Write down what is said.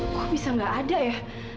wah bisa nggak ada ya